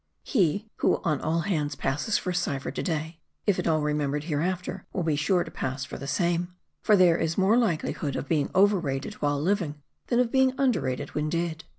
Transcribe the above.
*" He, who on all hands passes for a cypher to day, if at all remembered hereafter, will be sure to pass for the same. For there is more likelihood of being overrated while living, than of being underrated when dead.